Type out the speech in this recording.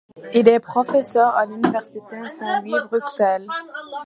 Il est Professeur à l'Université Saint-Louis – Bruxelles.